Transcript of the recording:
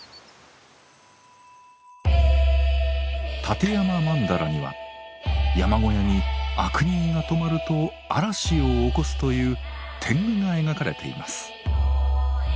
立山曼荼羅には山小屋に悪人が泊まると嵐を起こすという天狗が描かれています。